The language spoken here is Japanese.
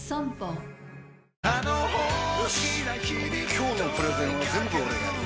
今日のプレゼンは全部俺がやる！